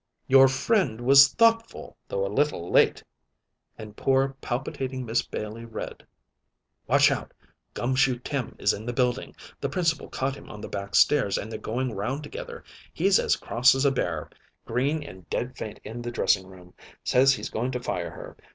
"Your friend was thoughtful, though a little late." And poor palpitating Miss Bailey read: "Watch out! 'Gum Shoe Tim' is in the building. The Principal caught him on the back stairs, and they're going round together. He's as cross as a bear. Greene in dead faint in the dressing room. Says he's going to fire her.